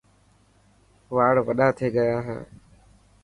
واڙ وڏا ٿي گيا هي.